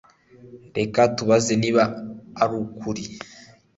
Reka tubaze niba arukuri